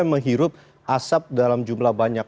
menghirup asap dalam jumlah banyak